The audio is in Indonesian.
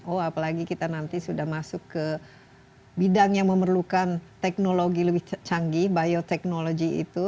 oh apalagi kita nanti sudah masuk ke bidang yang memerlukan teknologi lebih canggih bioteknologi itu